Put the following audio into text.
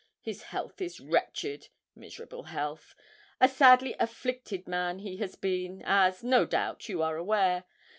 His health is wretched miserable health a sadly afflicted man he has been, as, no doubt, you are aware.